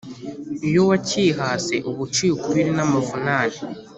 Iyo wacyihase uba uciye ukubiri n’amavunane